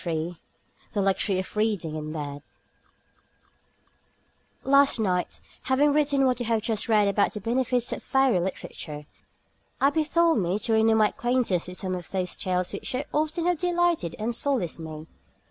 III THE LUXURY OF READING IN BED Last night, having written what you have just read about the benefits of fairy literature, I bethought me to renew my acquaintance with some of those tales which so often have delighted and solaced me.